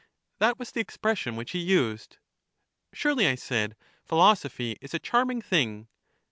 That was the expression which he used. " Surely," I said, " philosophy is a charm ing thing."